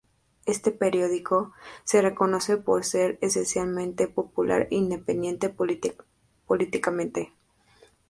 Este periódico se reconoce por ser esencialmente popular e independiente políticamente.